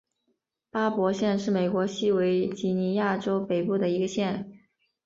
巴伯县是美国西维吉尼亚州北部的一个县。